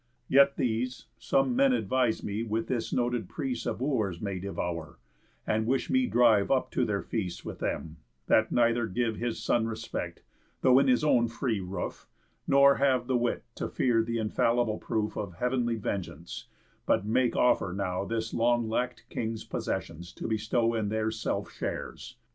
Yet these Some men advise me with this noted prease Of Wooers may devour, and wish me drive Up to their feasts with them, that neither give His son respect, though in his own free roof, Nor have the wit to fear th' infallible proof Of Heav'nly vengeance, but make offer now The long lack'd King's possessions to bestow In their self shares.